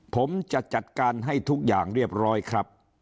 ผมจะจัดการให้ทุกอย่างเรียบร้อยครับ